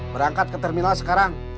merangkat ke terminal sekarang